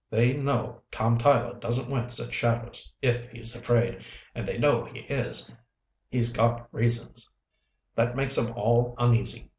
They know Tom Tyler doesn't wince at shadows. If he's afraid, and they know he is, he's got reasons. That makes 'em all uneasy.